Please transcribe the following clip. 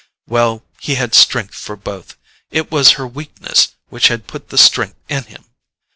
Well, he had strength for both—it was her weakness which had put the strength in him.